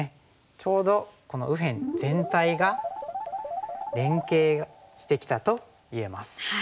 ちょうどこの右辺全体が連携してきたと言えます。